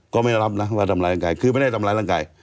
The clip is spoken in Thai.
ก็ไม่รับนะว่าทำร้ายร่างกายคือไม่ได้ทำร้ายร่างกาย